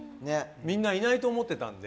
みんないないと思ってたんで。